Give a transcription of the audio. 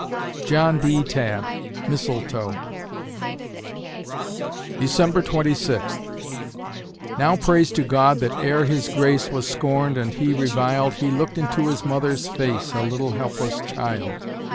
JOHN B. TABB (Mistletoe) December Twenty Sixth Now praise to God that ere his grace Was scorned and he reviled He looked into his mother's face, A little helpless child.